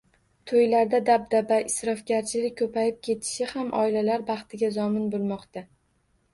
To‘ylarda dabdaba, isrofgarchilik ko‘payib ketishi ham oilalar baxtiga zomin bo‘lmoqda.